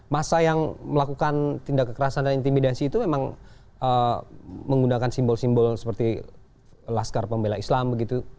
masa yang melakukan tindak kekerasan dan intimidasi itu memang menggunakan simbol simbol seperti laskar pembela islam begitu